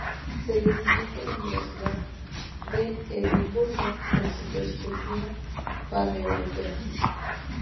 Se decidió por la universidad de Edimburgo por su perspectiva paneuropea.